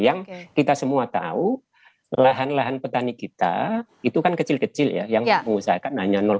yang kita semua tahu lahan lahan petani kita itu kan kecil kecil ya yang mengusahakan hanya